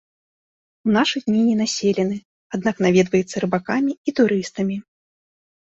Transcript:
У нашы дні ненаселены, аднак наведваецца рыбакамі і турыстамі.